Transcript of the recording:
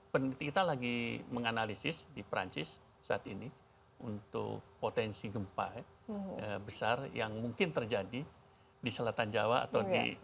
peneliti kita lagi menganalisis di perancis saat ini untuk potensi gempa besar yang mungkin terjadi di selatan jawa atau di